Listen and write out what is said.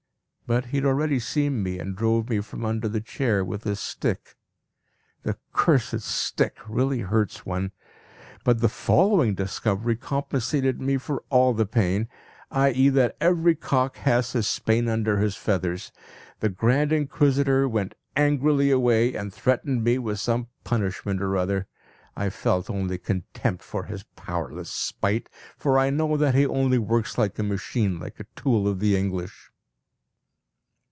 But he had already seen me and drove me from under the chair with his stick. The cursed stick really hurts one. But the following discovery compensated me for all the pain, i.e. that every cock has his Spain under his feathers. The Grand Inquisitor went angrily away, and threatened me with some punishment or other. I felt only contempt for his powerless spite, for I know that he only works like a machine, like a tool of the English.